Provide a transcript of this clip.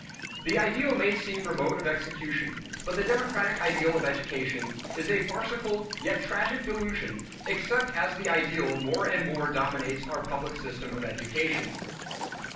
The ideal may seem remote of execution, but the democratic ideal of education is a farcical yet tragic delusion except as the ideal more and more dominates our public system of education.